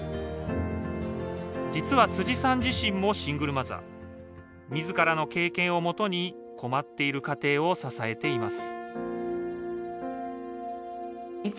実は、辻さん自身もシングルマザー自らの経験をもとに困っている家庭を支えています